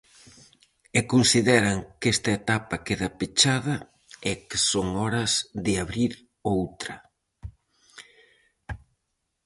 E consideran que esta etapa queda pechada e que son horas de abrir outra.